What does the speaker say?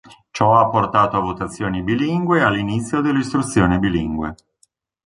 Ciò ha portato a votazioni bilingue e all'inizio dell'istruzione bilingue.